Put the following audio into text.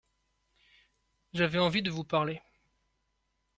J’avais envie de vous parler.